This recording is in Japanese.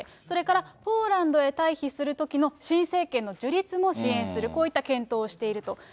それからポーランドへ退避するときの新政権の樹立も支援する、こういった検討もしていると。